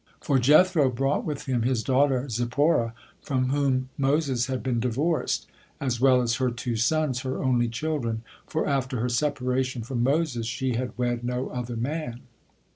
For Jethro brought with him his daughter Zipporah, from whom Moses had been divorced, as well as her two sons, her only children, for after her separation from Moses, she had wed no other man.